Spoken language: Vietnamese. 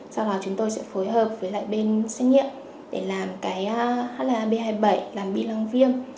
sau đó chúng tôi sẽ phối hợp với lại bên xét nghiệm để làm cái ha b hai mươi bảy làm bi lăng viêm